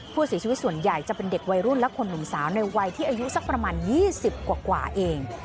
ผู้เสียชีวิตส่วนใหญ่จะเป็นเด็กวัยรุ่นและคนหนุ่มสาวในวัยที่อายุสักประมาณ๒๐กว่าเอง